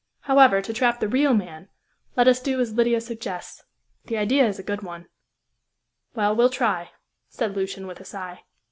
However, to trap the real man, let us do as Lydia suggests. The idea is a good one." "Well, we'll try," said Lucian, with a sigh.